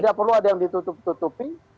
tidak perlu ada yang ditutup tutupi